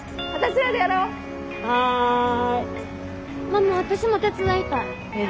ママ私も手伝いたい。